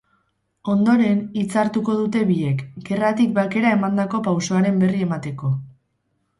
Ondoren, hitza hartuko dute biek, gerratik bakera emandako pausoaren berri emateko.